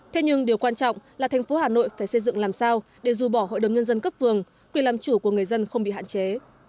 thế nhưng điều quan trọng là thành phố hà nội phải xây dựng làm sao để dù bỏ hội đồng nhân dân cấp vườn quyền làm chủ của người dân không bị hạn chế